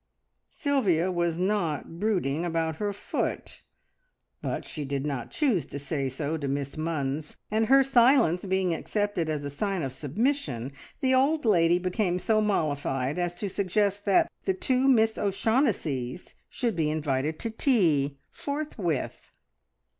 Sylvia was not brooding about her foot, but she did not choose to say so to Miss Munns, and her silence being accepted as a sign of submission, the old lady became so mollified as to suggest that the two Miss O'Shaughnessys should be invited to tea forthwith.